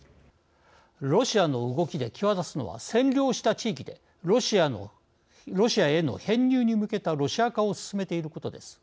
ロシアの動きで際立つのは占領した地域でロシアへの編入に向けたロシア化を進めていることです。